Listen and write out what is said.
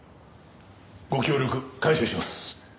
ご協力感謝します。